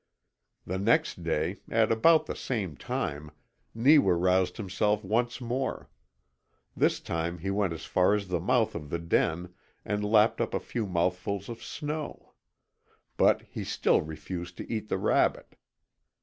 The next day, at about the same time, Neewa roused himself once more. This time he went as far as the mouth of the den, and lapped up a few mouthfuls of snow. But he still refused to eat the rabbit.